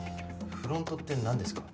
フロントってなんですか？